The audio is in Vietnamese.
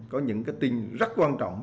có những cái tin rất quan trọng